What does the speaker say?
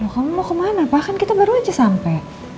kamu mau kemana pak kan kita baru aja sampai